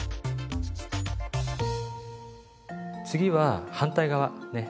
次は反対側ね。